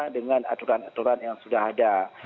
dengan aturan aturan yang sudah ada